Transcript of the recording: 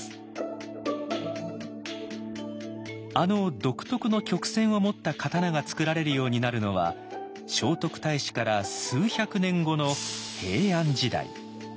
あの独特の曲線を持った刀が作られるようになるのは聖徳太子から数百年後の平安時代。